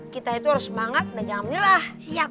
kita itu harus semangat dan jangan menyerah siap